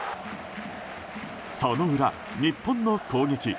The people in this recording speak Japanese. その裏、日本の攻撃。